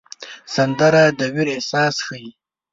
سندره د ویر احساس ښيي